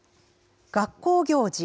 学校行事。